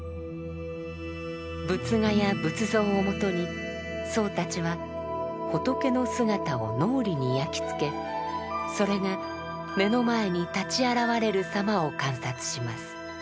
仏画や仏像をもとに僧たちは仏の姿を脳裏に焼き付けそれが目の前に立ち現れるさまを観察します。